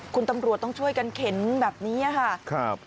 คุณตำรวจต้องช่วยกันเข็นแบบนี้ค่ะ